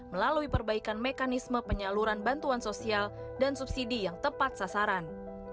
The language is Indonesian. melalui perbaikan mekanisme penyaluran bantuan sosial dan subsidi yang tepat sasaran